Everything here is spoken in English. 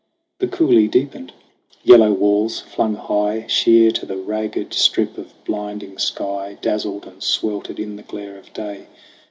The coulee deepened ; yellow walls flung high, Sheer to the ragged strip of blinding sky, Dazzled and sweltered in the glare of day.